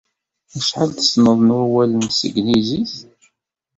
Acḥal tessneḍ n wawalen s tneglizit?